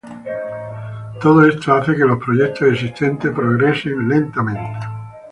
Todo esto hace que los proyectos existentes para progresar lentamente.